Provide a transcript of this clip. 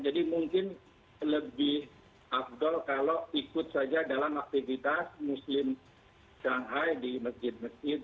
jadi mungkin lebih up goal kalau ikut saja dalam aktivitas muslim shanghai di masjid masjid